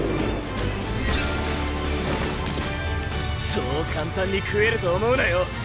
そう簡単に食えると思うなよ。